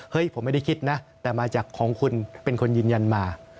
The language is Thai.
ผมไม่ได้คิดนะแต่มาจากของคุณเป็นคนยืนยันมา